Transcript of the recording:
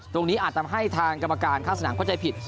อาจทำให้ทางกรรมการข้างสนามเข้าใจผิด